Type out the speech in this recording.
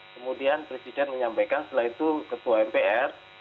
kemudian presiden menyampaikan setelah itu ketua mpr